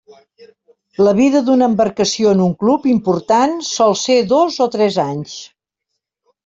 La vida d'una embarcació en un club important sol ser dos o tres anys.